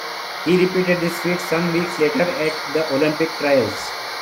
He repeated this feat some weeks later at the Olympic Trials.